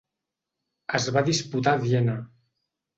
Es va disputar a Viena.